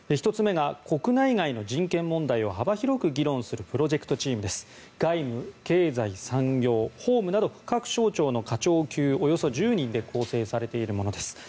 １つ目が国内外の人権問題を幅広く議論するプロジェクトチーム外務、経済産業、法務など各省庁の課長級で構成されているものです。